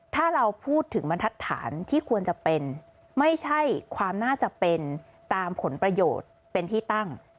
ถ้าเราพูดถึงบรรทัศน์ที่ควรจะเป็นไม่ใช่ความน่าจะเป็นตามผลประโยชน์เป็นที่ตั้ง